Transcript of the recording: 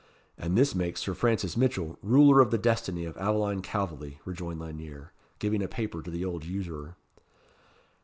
"And this makes Sir Francis Mitchell ruler of the destiny of Aveline Calveley," rejoined Lanyere, giving a paper to the old usurer.